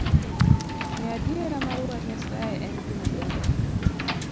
Ng'eyo adiera mar wach Nyasaye en gima dwarore